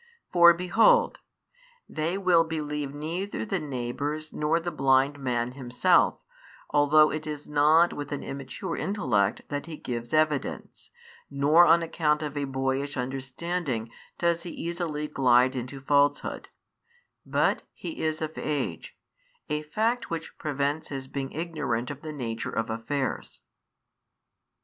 For behold! they will believe neither the neighbours nor the blind man himself, although it is not with an immature intellect that he gives evidence, nor on account of a boyish understanding does he easily glide into falsehood; but he is of age, a fact which prevents his being ignorant of the nature of affairs.